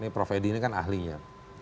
prof edi ini kan ahlinya